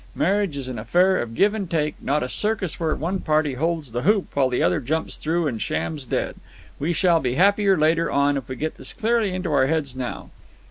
Marriage is an affair of give and take, not a circus where one party holds the hoop while the other jumps through and shams dead. We shall be happier later on if we get this clearly into our heads now."